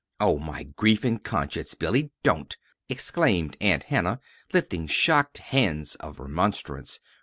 "Oh, my grief and conscience, Billy, don't!" exclaimed Aunt Hannah, lifting shocked hands of remonstrance.